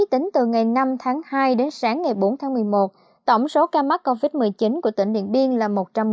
tính từ ngày năm tháng hai đến sáng ngày bốn tháng một mươi một tổng số ca mắc covid một mươi chín của tỉnh điện biên là một trăm một mươi ca